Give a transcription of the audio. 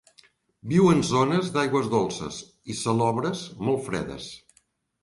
Viu en zones d'aigües dolces i salobres molt fredes.